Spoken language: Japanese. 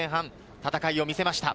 戦いを見せました。